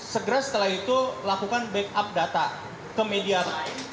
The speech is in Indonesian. segera setelah itu lakukan backup data ke media